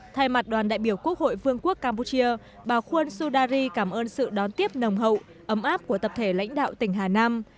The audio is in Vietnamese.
thay mặt đoàn đại biểu quốc hội vương quốc campuchia bà khuôn sudari cảm ơn sự đón tiếp nồng hậu ấm áp của tập thể lãnh đạo tỉnh hà nam